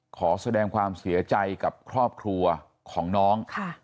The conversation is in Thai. ขอแสดงความเสียใจกับครอบครัวของน้อง